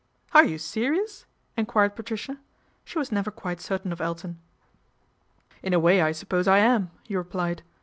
" Are you serious ?" enquired Patricia. She was never quite certain of Elton. " In a way I suppose I am," he replied.